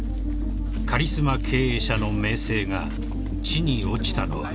［カリスマ経営者の名声が地に落ちたのは］